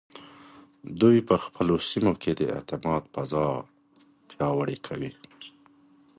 دوی په خپلو سیمو کې د اعتماد فضا پیاوړې کوي.